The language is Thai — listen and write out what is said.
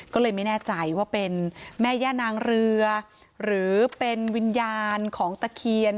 ก็เลยไม่แน่ใจว่าเป็นแม่ย่านางเรือหรือเป็นวิญญาณของตะเคียน